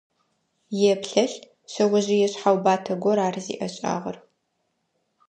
Еплъэлъ, шъэожъые шъхьэубатэ гор ар зиӏэшӏагъэр.